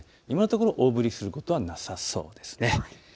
今のところ大降りすることはなさそうです。